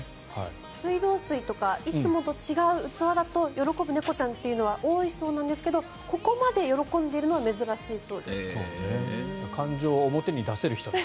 水道水とかいつもと違う器だと喜ぶ猫ちゃんというのは多いそうなんですがここまで喜んでいるのは珍しいそうなんです。